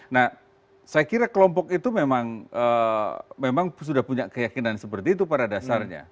nah saya kira kelompok itu memang sudah punya keyakinan seperti itu pada dasarnya